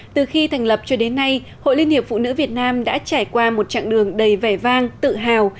từ khi thành lập cho đến nay hội liên hiệp phụ nữ việt nam đã trải qua một chặng đường đầy vẻ vang tự hào